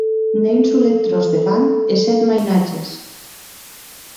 Ne un solet tròç de pan e sèt mainatges!